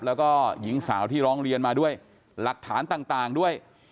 แล้วก็หญิงสาวที่ร้องเรียนมาด้วยหลักฐานต่างด้วย